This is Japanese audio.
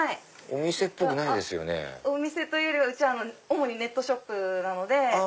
お店というよりはうちは主にネットショップなので。